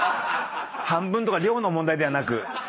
半分とか量の問題ではなく。